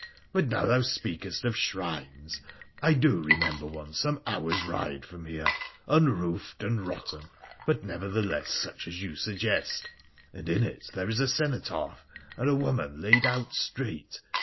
But, now thou speakest of shrines, I do remember one some hours' ride from here ; unroofed and rotten, but, nevertheless, such as you suggest, and in it there is a cenotaph, and a woman laid out straight.